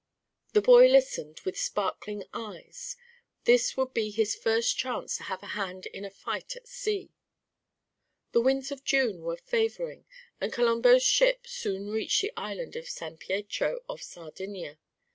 The boy listened with sparkling eyes; this would be his first chance to have a hand in a fight at sea. The winds of June were favoring, and Colombo's ship soon reached the island of San Pietro off Sardinia.